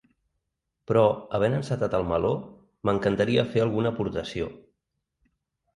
Però, havent encetat el meló, m’encantaria fer alguna aportació.